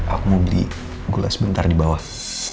aku mau beli gula sebentar di bawah